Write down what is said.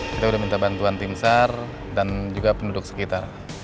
kita sudah minta bantuan tim sar dan juga penduduk sekitar